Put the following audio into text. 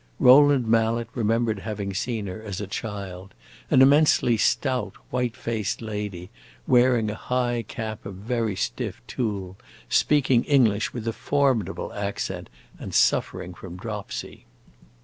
Rowland Mallet remembered having seen her, as a child an immensely stout, white faced lady, wearing a high cap of very stiff tulle, speaking English with a formidable accent, and suffering from dropsy.